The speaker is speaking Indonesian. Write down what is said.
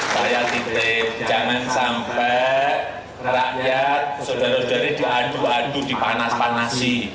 bahaya titip jangan sampai rakyat saudara saudari diadu adu dipanas panasi